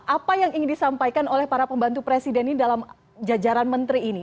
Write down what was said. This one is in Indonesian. apa yang ingin disampaikan oleh para pembantu presiden ini dalam jajaran menteri ini